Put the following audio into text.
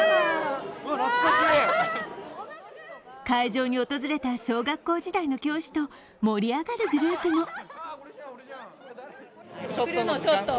会場に訪れた小学校時代の教師と盛り上がるグループも。